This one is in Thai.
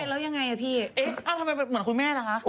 แล้วยังไงอ่ะพี่เอ๊ะทำไมเหมือนคุณแม่ล่ะคะ